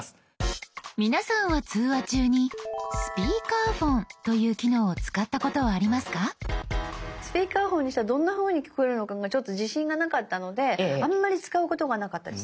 皆さんは通話中にスピーカーフォンにしたらどんなふうに聞こえるのかがちょっと自信がなかったのであんまり使うことがなかったです。